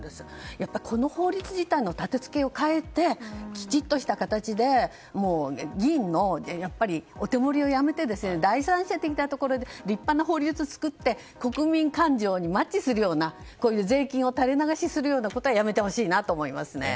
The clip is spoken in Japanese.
やっぱり、この法律自体の立てつけを変えてきちっとした形で議員のお手盛りをやめて第三者的なところで立派な法律を作って国民感情にマッチするようなこういう税金を垂れ流しするようなことはやめてほしいなと思いますね。